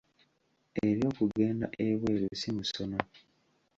Eby'okugenda ebweru si musono